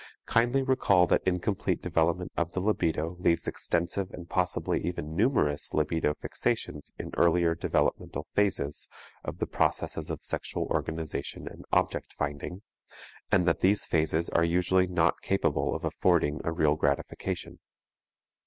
Kindly recall that incomplete development of the libido leaves extensive and possibly even numerous libido fixations in earlier developmental phases of the processes of sexual organization and object finding, and that these phases are usually not capable of affording a real gratification.